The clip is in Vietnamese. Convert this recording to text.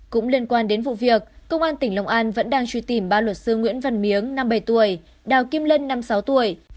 cũng liên quan đến vụ việc công an tỉnh long an vẫn đang truy tìm ba luật sư nguyễn văn miếng năm bảy tuổi đào kim lân năm sáu tuổi